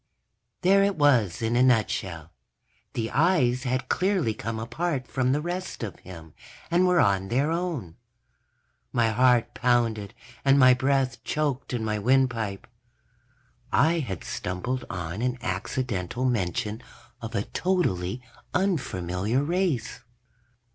_ There it was in a nutshell. The eyes had clearly come apart from the rest of him and were on their own. My heart pounded and my breath choked in my windpipe. I had stumbled on an accidental mention of a totally unfamiliar race.